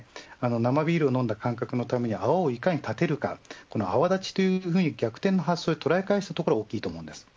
生ビールを飲んだ感覚のためにはいかに泡をたてるか泡立ちというふうに逆転の発想で捉え返すところが大きいと思うんです。